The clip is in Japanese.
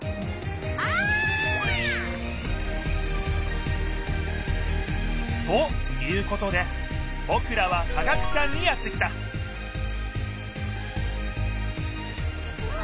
お！ということでぼくらは科学館にやって来たうわ！